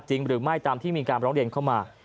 หรือไม่ตามที่มีการร้องเรียนเข้ามา